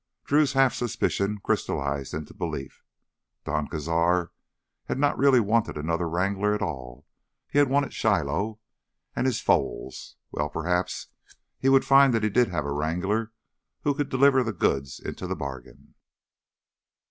Drew's half suspicion crystallized into belief. Don Cazar had not really wanted another wrangler at all; he had wanted Shiloh—and his foals. Well, perhaps he would find he did have a wrangler who could deliver the goods into the bargain.